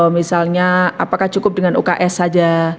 misalnya apakah cukup dengan uks saja